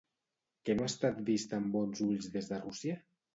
Què no ha estat vist amb bons ulls des de Rússia?